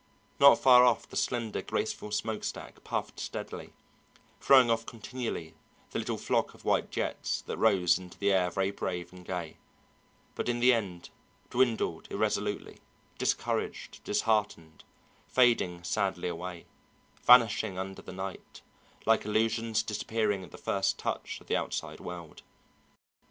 Not far off the slender, graceful smokestack puffed steadily, throwing off continually the little flock of white jets that rose into the air very brave and gay, but in the end dwindled irresolutely, discouraged, disheartened, fading sadly away, vanishing under the night, like illusions disappearing at the first touch of the outside world.